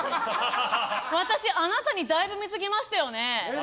私、あなたにだいぶ貢ぎましたよね？